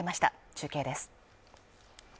中継です。